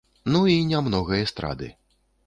Ну і нямнога эстрады.